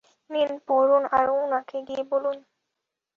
নিন, পড়ুন আর উনাকে গিয়ে বলুন।